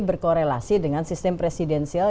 berkorelasi dengan sistem presidensial